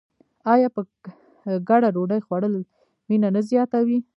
آیا په ګډه ډوډۍ خوړل مینه نه زیاتوي؟